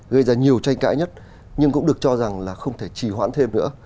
gây ra nhiều tranh cãi nhất nhưng cũng được cho rằng là không thể trì hoãn thêm nữa